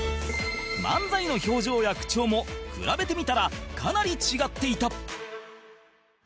漫才の表情や口調も比べてみたらかなり違っていた